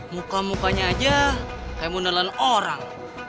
muka mukanya aja kayak modalin orang